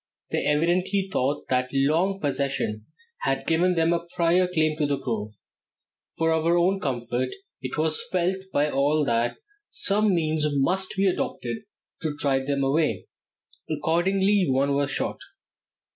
They evidently thought that long possession had given them a prior claim to the grove. For our own comfort it was felt by all that some means must be adopted to drive them away. Accordingly one was shot.